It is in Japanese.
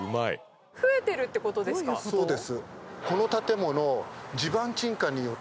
そうです。